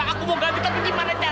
aku mau ganti tapi gimana caranya ya